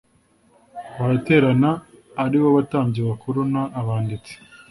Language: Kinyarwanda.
baraterana ari bo batambyi bakuru n abanditsi